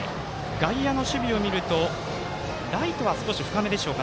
外野の守備を見るとライトは少し深めでしょうか。